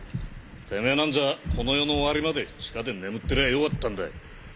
てめぇなんぞこの世の終わりまで地下で眠ってりゃよかったんだ。